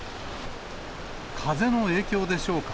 風の影響でしょうか。